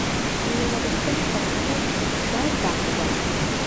خو یوه غوښتنه پر خپل ځای پاتې ده.